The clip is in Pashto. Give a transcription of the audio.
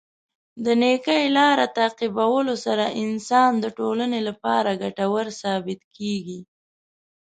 د نېکۍ لاره تعقیبولو سره انسان د ټولنې لپاره ګټور ثابت کیږي.